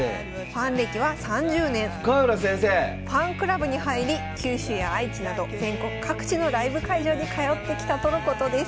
ファンクラブに入り九州や愛知など全国各地のライブ会場に通ってきたとのことです。